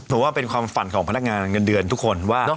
ผมว่าเป็นความฝันของพนักงานเงินเดือนทุกคนว่า